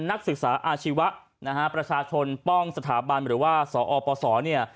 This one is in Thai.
นักศึกษาอาชีวะนะฮะประชาชนป้องสถาบันหรือว่าสอปศเนี่ย